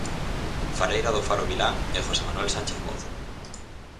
Fareira do faro Vilán e José Manuel Sánchez Mouzo.